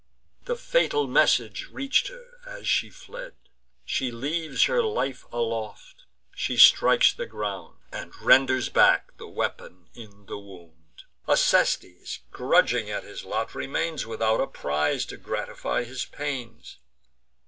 The fatal message reach'd her as she fled: She leaves her life aloft; she strikes the ground, And renders back the weapon in the wound. Acestes, grudging at his lot, remains, Without a prize to gratify his pains.